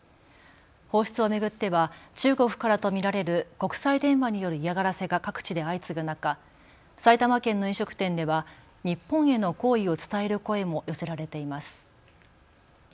放出を巡っては中国からと見られる国際電話による嫌がらせが各地で相次ぐ中、埼玉県の飲食店では日本への好意を伝える声も寄せられています。